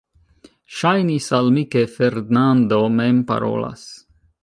Ŝajnis al mi, ke Fernando mem parolas.